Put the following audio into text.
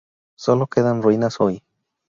Solo quedan ruinas hoy.